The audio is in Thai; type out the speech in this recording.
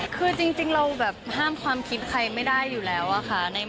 คือจริงเราแบบห้ามความคิดใครไม่ได้อยู่แล้วอะค่ะ